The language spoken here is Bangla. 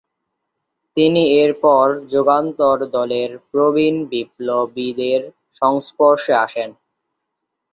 তিনি এরপর যুগান্তর দলের প্রবীন বিপ্লবীদের সংস্পর্শে আসেন।